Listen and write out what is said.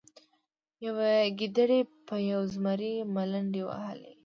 یوې ګیدړې په یو زمري ملنډې وهلې.